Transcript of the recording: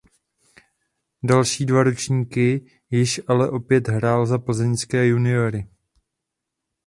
Další dva ročníky již ale opět hrál za plzeňské juniory.